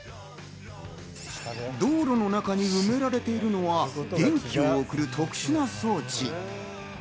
道路の中に埋められているのは、電気を送る特殊な装置。